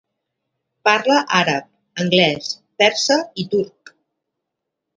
Parla àrab, anglès, persa i turc.